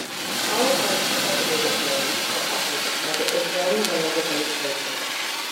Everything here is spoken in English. All attempts to cultivate its lands are uprooted by the Israeli Lands Administration.